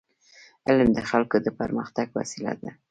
علم د خلکو د پرمختګ وسیله ده.